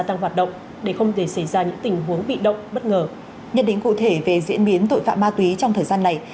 nhận định cụ thể về diễn biến tội phạm ma túy trong thời gian này